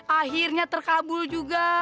akhirnya terkabul juga